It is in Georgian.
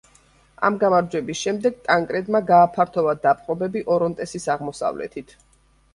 ამ გამარჯვების შემდეგ, ტანკრედმა გააფართოვა დაპყრობები ორონტესის აღმოსავლეთით.